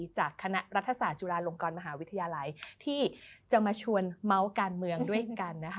จากคณะรัฐศาสตร์จุฬาลงกรมหาวิทยาลัยที่จะมาชวนเมาส์การเมืองด้วยกันนะคะ